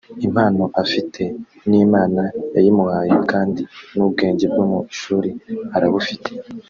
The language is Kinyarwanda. impano afite n’Imana yayimuhaye kandi n’ubwenge bwo mu ishuri arabufite